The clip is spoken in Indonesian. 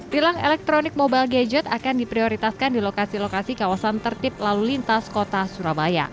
tilang elektronik mobile gadget akan diprioritaskan di lokasi lokasi kawasan tertib lalu lintas kota surabaya